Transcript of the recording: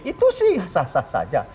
itu sih sah sah saja